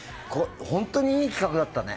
本当にいい企画だったね。